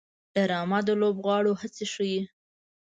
ډرامه د لوبغاړو هڅې ښيي